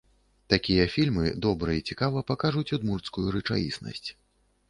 Такія фільмы добра і цікава пакажуць удмурцкую рэчаіснасць.